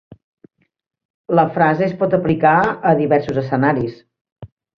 La frase es pot aplicar a diversos escenaris.